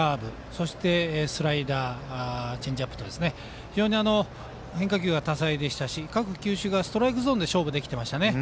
そしてスライダーチェンジアップと非常に変化球が多彩でしたし各球種がストライクゾーンで勝負できていましたね。